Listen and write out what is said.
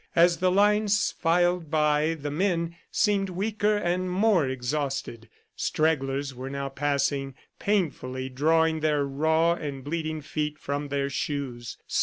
As the lines filed by the men seemed weaker and more exhausted. Stragglers were now passing, painfully drawing their raw and bleeding feet from their shoes.